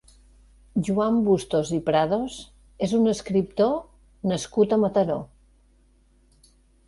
Joan Bustos i Prados és un escriptor nascut a Mataró.